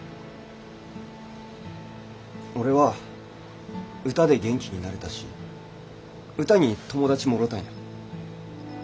俺は歌で元気になれたし歌に友達もろうたんや。